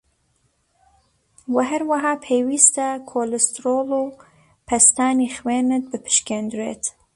وه هەروەها پێویسته کۆلسترۆڵ و پەستانی خوێنت بپشکێندرێت